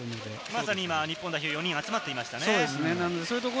まさに今、日本代表４人、集まっていましたね。